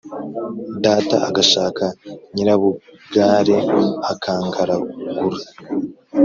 data agashaka Nyirabugare, akangaragura,